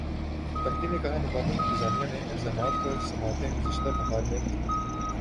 company نے کہا مقامی انتظامیہ نے الزامات پر سماعتیں گذشتہ بہار میں کی تھیں